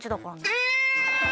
え！